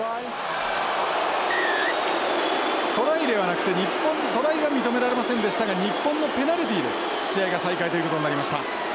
トライではなくて日本トライは認められませんでしたが日本のペナルティーで試合が再開ということになりました。